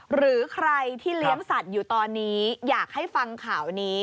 หรือใครที่เลี้ยงสัตว์อยู่ตอนนี้อยากให้ฟังข่าวนี้